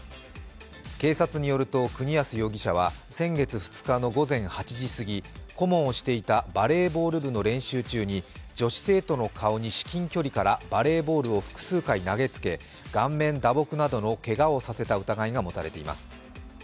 警察によると、国安容疑者は先月２日の午前８時すぎ、顧問をしていたバレーボール部の練習中に女子生徒の顔に至近距離からバレーボールを複数回投げつけ、顔面打撲などのけがをさせた疑いが持たれています。